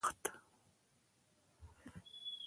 هغه وخت